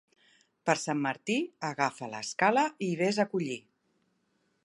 Per Sant Martí, agafa l'escala i ves a collir.